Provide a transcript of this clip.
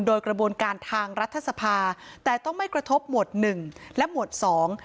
โดยกระบวนการทางรัฐสภาแต่ต้องไม่กระทบหมวดหนึ่งและหมวดสอง